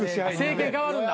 政権代わるんだ。